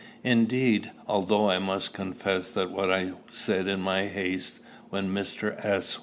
Indeed, although I must confess that what I said in my haste, when Mr. S.